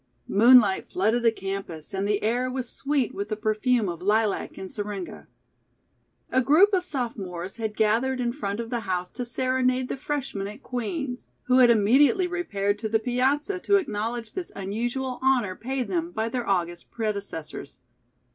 Moonlight flooded the campus, and the air was sweet with the perfume of lilac and syringa. A group of sophomores had gathered in front of the house to serenade the freshmen at Queen's, who had immediately repaired to the piazza to acknowledge this unusual honor paid them by their august predecessors.